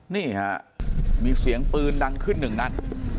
นี่ฮะมีเสียงปืนดังขึ้นหนึ่งนัด